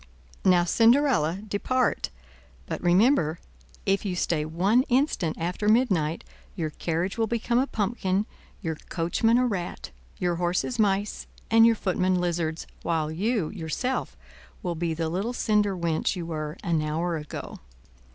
"Now, Cinderella, depart; but remember, if you stay one instant after midnight, your carriage will become a pumpkin, your coachman a rat, your horses mice, and your footmen lizards; while you, yourself, will be the little cinder wench you were an hour ago."